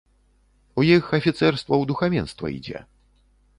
У іх афіцэрства ў духавенства ідзе.